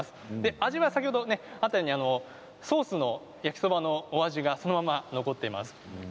味は先ほどあったようにソースの焼きそばのお味がそのまま残っています。